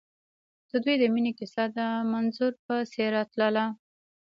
د دوی د مینې کیسه د منظر په څېر تلله.